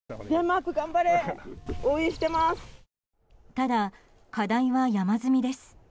ただ、課題は山積みです。